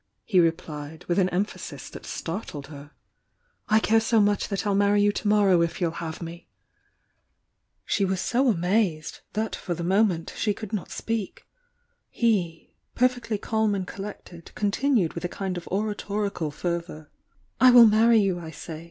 he replied, with an emphasis that startled her — "I care so much that I'll marry you to morrow if you'll have me!" She was so amazed that for the moment she could not speak. He, perfectly calm and collected, con tinued with a kind of oratorical fervour: "I will marry you, I say!